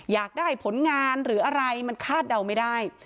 อยากได้ผลงานหรืออะไรมันคาดเดาไม่ได้